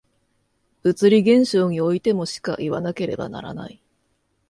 物理現象においてもしかいわなければならない。